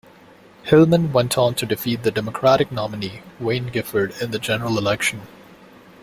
Hillman went on to defeat the Democratic nominee, Wayne Gifford, in the general election.